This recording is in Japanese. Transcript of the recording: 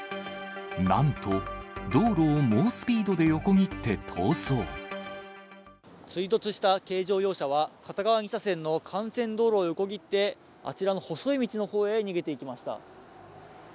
なんと、追突した軽乗用車は、片側２車線の幹線道路を横切って、あちらの細い道のほうへ逃げていきました。